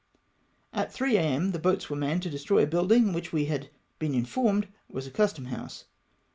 At 3 a.m. the boats were manned to destroy a building which we had been informed was a custom house.